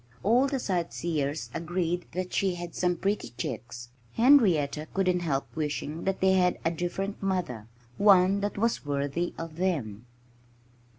All the sightseers agreed that she had some pretty chicks. Henrietta couldn't help wishing that they had a different mother one that was worthy of them.